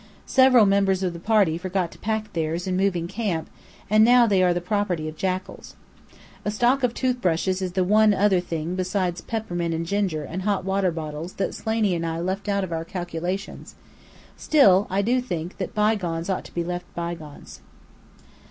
Several members of the party forgot to pack theirs in moving camp and they are now the property of jackals. A stock of toothbrushes is the one other thing besides peppermint and ginger and hot water bottles that Slaney and I left out of our calculations; still, I do think bygones ought to be bygones.